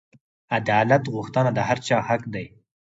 عدالت غوښتنه د هر چا حق دی.